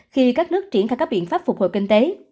khi các nước triển khai các biện pháp phục hồi kinh tế